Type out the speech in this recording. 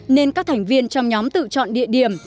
nên các thành viên trong nhóm tự chọn địa điểm